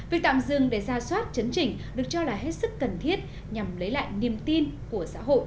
việc tạm dừng để ra soát chấn trình